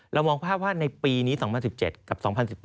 มองภาพว่าในปีนี้๒๐๑๗กับ๒๐๑๘